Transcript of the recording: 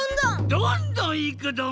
どんどんいくドン！